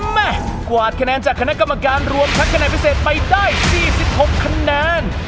แม่กวาดคะแนนจากคณะกรรมการรวมทั้งคะแนนพิเศษไปได้๔๖คะแนน